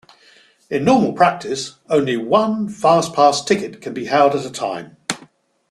In normal practice, only one Fastpass ticket can be held at a time.